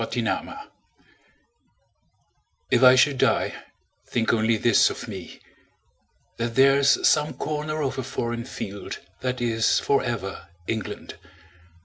The Soldier If I should die, think only this of me: That there's some corner of a foreign field That is for ever England.